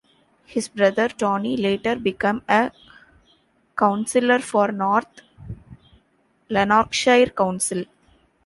His brother, Tony, later become a councilor for North Lanarkshire Council.